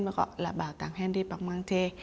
và gọi là bảo tàng henry pacmentier